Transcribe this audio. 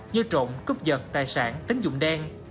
như trộn cúp giật tài sản tính dụng đen